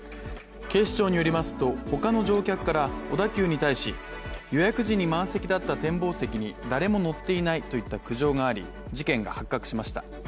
警視庁によりますと、他の乗客から小田急に対し予約時に満席だった展望席に誰も乗っていないといった苦情があり事件が発覚しました。